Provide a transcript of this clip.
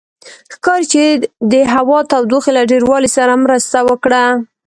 ښکاري چې د هوا تودوخې له ډېروالي سره مرسته وکړه.